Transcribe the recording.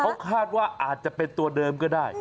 เขาคาดว่าอาจจะเป็นตัวเดิมก็ได้